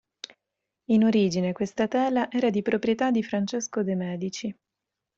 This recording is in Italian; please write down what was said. In origine questa tela era di proprietà di Francesco de' Medici.